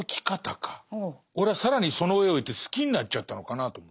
俺は更にその上をいって好きになっちゃったのかなと思って。